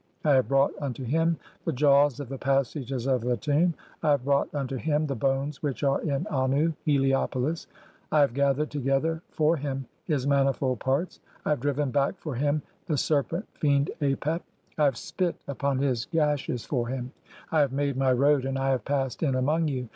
I have brought unto him the jaws of the 'passages of the tomb ; I have brought unto him the bones 'which are in Annu (Heliopolis) ; (11) I have gathered together 'for him his manifold parts ; I have driven back for him the 'serpent fiend Apep ; I have spit upon his gashes for him ; I 'have made my road and I have passed in (12) among you.